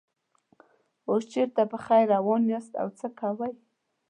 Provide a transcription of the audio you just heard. اوس چېرته په خیر روان یاست او څه کوئ.